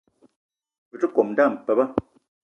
Be te kome dame pabe